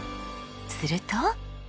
すると。